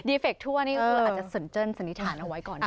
ดีเฟคทั่วนี่อาจจะสนเจิญสนิทานเอาไว้ก่อน